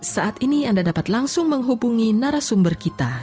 saat ini anda dapat langsung menghubungi narasumber kita